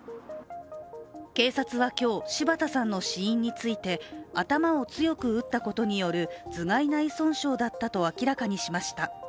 警察は今日、柴田さんの死因について頭を強く打ったことによる頭蓋内損傷だったと明らかにしました。